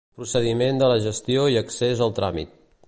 Procediment de la gestió i accés al tràmit.